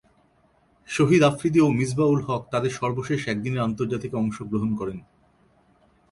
শহীদ আফ্রিদি ও মিসবাহ-উল-হক তাদের সর্বশেষ একদিনের আন্তর্জাতিকে অংশগ্রহণ করেন।